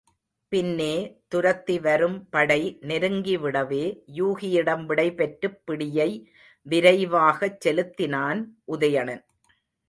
பின்னே துரத்தி வரும் படை நெருங்கிவிடவே யூகியிடம் விடைபெற்றுப் பிடியை விரைவாகச் செலுத்தினான் உதயணன்.